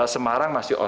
semarang masih ombak